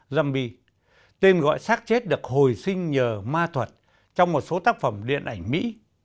zombie tên gọi sát chết được hồi sinh nhờ ma thuật trong một số tác phẩm điện ảnh mỹ